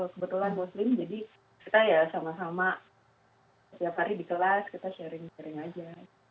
kebetulan muslim jadi kita ya sama sama setiap hari di kelas kita sharing sharing aja